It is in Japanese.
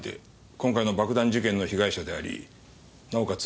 今回の爆弾事件の被害者でありなおかつ